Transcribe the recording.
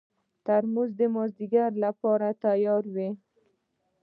ترموز د مازدیګر لپاره تیار وي.